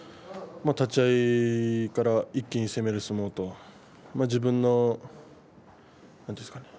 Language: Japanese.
立ち合いから一気に攻める相撲と自分の、なんていうんですかね